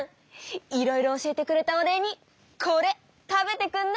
いろいろ教えてくれたお礼にこれ食べてくんな！